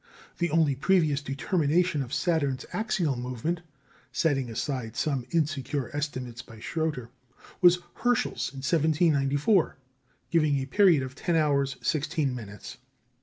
The only previous determination of Saturn's axial movement (setting aside some insecure estimates by Schröter) was Herschel's in 1794, giving a period of ten hours sixteen minutes.